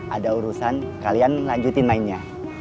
ada urusan kalian lanjutin mainnya